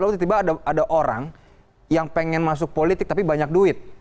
lalu tiba tiba ada orang yang pengen masuk politik tapi banyak duit